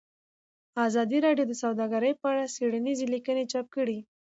ازادي راډیو د سوداګري په اړه څېړنیزې لیکنې چاپ کړي.